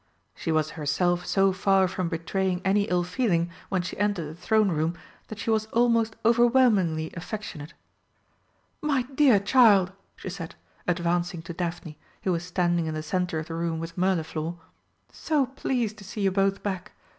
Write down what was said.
She was herself so far from betraying any ill feeling when she entered the Throne Room that she was almost overwhelmingly affectionate. "My dear child!" she said, advancing to Daphne, who was standing in the centre of the room with Mirliflor, "so pleased to see you both back!